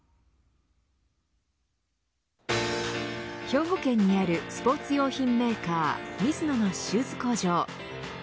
兵庫県にあるスポーツ用品メーカーミズノのシューズ工場。